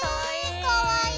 かわいい！